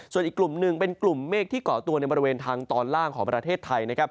ส่วนอีกกลุ่มหนึ่งเป็นกลุ่มเมฆที่เกาะตัวในบริเวณทางตอนล่างของประเทศไทยนะครับ